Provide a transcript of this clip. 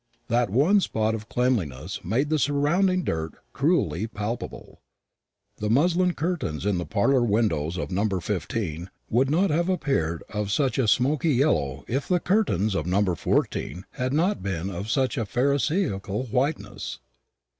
That one spot of cleanliness made the surrounding dirt cruelly palpable. The muslin curtains in the parlour windows of No. 15 would not have appeared of such a smoky yellow if the curtains of No. 14 had not been of such a pharisaical whiteness.